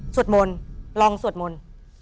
สวดมนต์ลองสวดมนต์